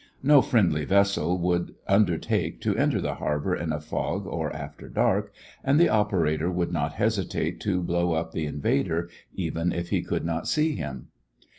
No friendly vessel would undertake to enter the harbor in a fog or after dark and the operator would not hesitate to blow up the invader even if he could not see him.